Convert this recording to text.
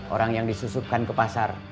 orang yang disusupkan ke pasar